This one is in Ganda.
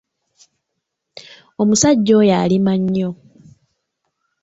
Omusajja oyo alima nnyo.